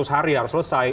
seratus hari harus selesai